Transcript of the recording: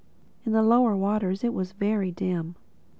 In the lower waters it was very dim.